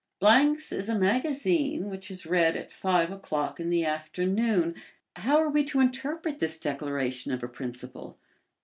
"Blank's is a magazine which is read at five o'clock in the afternoon." How were we to interpret this declaration of a principle?